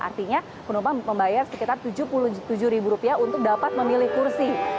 artinya penumpang membayar sekitar tujuh puluh tujuh ribu rupiah untuk dapat memilih kursi